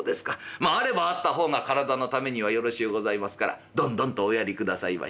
まああればあった方が体のためにはよろしゅうございますからどんどんとおやりくださいまし」。